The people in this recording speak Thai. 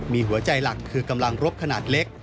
มีหัวใจหลักคือกำลังรบขนาดเล็ก